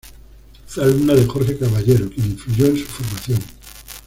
Fue alumna de Jorge Caballero, quien influyó en su formación.